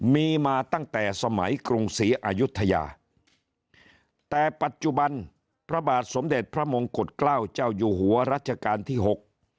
มีมาตั้งแต่สมัยกรุงศรีอายุทยาแต่ปัจจุบันพระบาทสมเด็จพระมงกุฎเกล้าเจ้าอยู่หัวรัชกาลที่หก